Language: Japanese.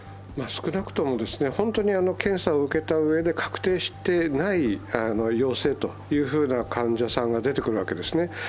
少なくとも本当に検査を受けたうえで確定していない陽性という患者さんが出てくるわけですね。